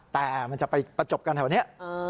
แต่มันจะไปประจบกันแถวนี้